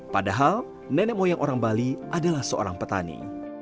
padahal nenek moyang orang bali adalah seorang petani